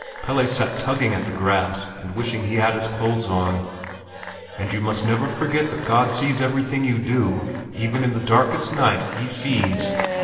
Pelle sat tugging at the grass and wishing he had had his clothes on. "And you must never forget that God sees everything you do; even in the darkest night He sees.